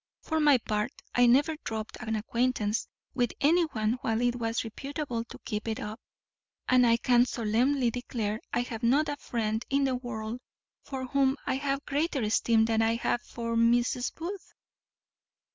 For my part, I never dropt an acquaintance with any one while it was reputable to keep it up; and I can solemnly declare I have not a friend in the world for whom I have a greater esteem than I have for Mrs. Booth."